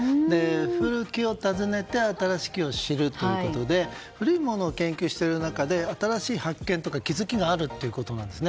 故きを温ねて新しきを知るということで古いものを研究している中で新らしい発見とか気づきがあるということです。